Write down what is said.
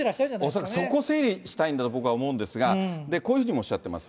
恐らくそこ整理したいんだと、僕は思うんですが、こういうふうにもおっしゃってます。